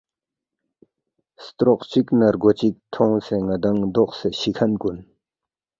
سترو ق چک نہ رگو چک تھونگسے ندانگ دوقسے شی کھن کُن